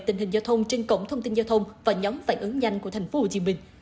tình hình giao thông trên cổng thông tin giao thông và nhóm phản ứng nhanh của tp hcm